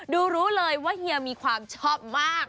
รู้เลยว่าเฮียมีความชอบมาก